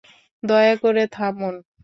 দয়া করে থামুন।